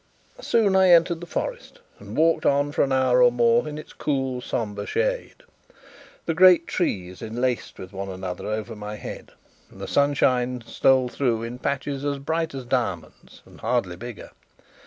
Soon I entered the forest, and walked on for an hour or more in its cool sombre shade. The great trees enlaced with one another over my head, and the sunshine stole through in patches as bright as diamonds, and hardly bigger.